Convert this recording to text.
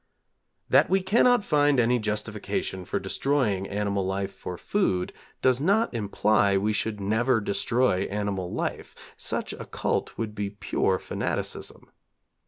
That we cannot find any justification for destroying animal life for food does not imply we should never destroy animal life. Such a cult would be pure fanaticism.